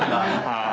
はい。